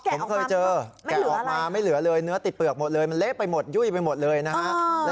ผมเคยเจอแกะออกมาไม่เหลือเลยเนื้อติดเปลือกหมดเลยมันเละไปหมดยุ่ยไปหมดเลยนะฮะ